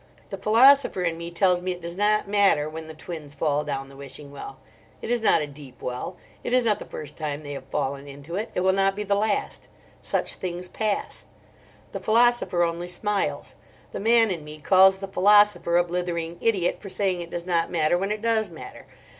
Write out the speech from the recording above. The philosopher in me tells me it does not matter when the twins fall down the wishing well. It is not a deep well. It is not the first time they have fallen into it: it will not be the last. Such things pass: the philosopher only smiles. The man in me calls the philosopher a blithering idiot for saying it does not matter when it does matter.